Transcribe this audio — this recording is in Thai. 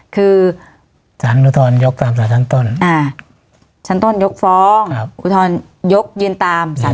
คือสารอุทธรยกตามสารชั้นต้นชั้นต้นยกฟ้องอุทธรณยกยืนตามสาร